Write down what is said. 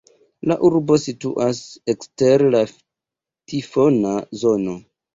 La urbo situas ekster la tifona zono.